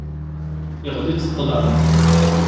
Yeɣli-d ṭṭlam.